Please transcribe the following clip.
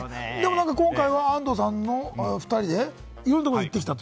今回は安藤さんと２人でいろいろなところに行ってきたと。